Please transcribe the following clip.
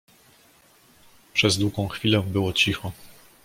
"Przez długą chwilę było cicho."